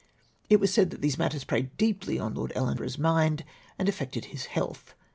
It ivas said that these matters preyed deeply on Lord EUenborough's mind and affected his health. .